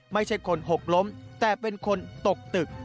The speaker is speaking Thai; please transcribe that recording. ไม่ใช่คนหกล้มแต่เป็นคนตกตึก